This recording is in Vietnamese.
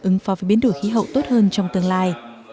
ứng phó với biến đổi khí hậu tốt hơn trong tương lai